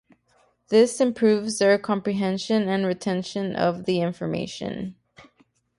This improves their comprehension and retention of the information.